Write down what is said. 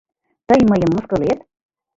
Тый мыйым мыскылет?